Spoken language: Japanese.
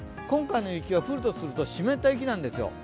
今回の雪は、降るとすると湿った雪なんですよ。